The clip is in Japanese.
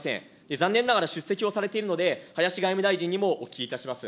残念ながら出席をされているので、林外務大臣にもお聞きいたします。